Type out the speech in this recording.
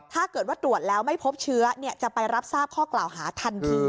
ถ้าเกิดว่าตรวจแล้วไม่พบเชื้อจะไปรับทราบข้อกล่าวหาทันที